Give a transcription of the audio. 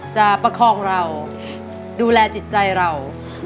ประคองเราดูแลจิตใจเรา